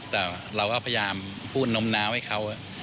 แต่เราก็พยายามพูดน้มน้าวให้เขา